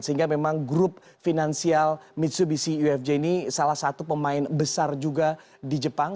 sehingga memang grup finansial mitsubishi ufj ini salah satu pemain besar juga di jepang